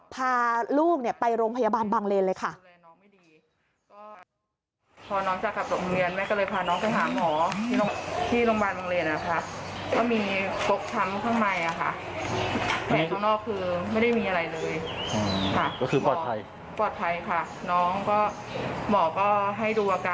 พาลูกไปโรงพยาบาลบางเลนเลยค่ะ